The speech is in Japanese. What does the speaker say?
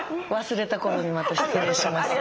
忘れた頃にまた失礼します。